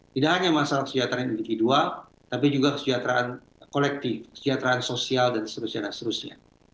tidak hanya masalah kesejahteraan yang individual tapi juga kesejahteraan kolektif kesejahteraan sosial dan seterusnya